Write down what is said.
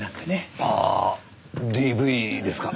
ああＤＶですか？